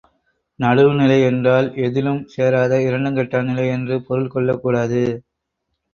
நடுவு நிலை என்றால் எதிலும் சேராத இரண்டுங்கெட்டான் நிலை என்று பொருள் கொள்ளக் கூடாது.